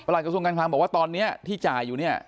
หลักกระทรวงการคลังบอกว่าตอนนี้ที่จ่ายอยู่เนี่ย